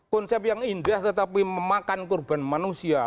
konsep yang indah tetapi memakan korban manusia